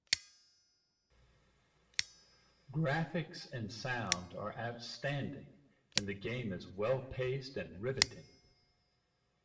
Graphics and sound are outstanding, and the game is well-paced and riveting.